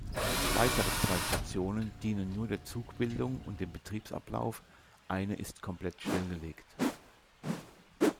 Weitere zwei Stationen dienen nur der Zugbildung und dem Betriebsablauf, eine ist komplett stillgelegt.